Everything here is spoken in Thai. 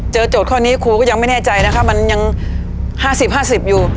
เจอโจทย์ข้อนี้ครูก็ยังไม่แน่ใจนะคะมันยังห้าสิบห้าสิบอยู่